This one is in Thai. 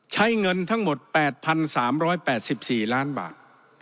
ใช้เงินทั้งหมด๘๓๘๔ล้านบาท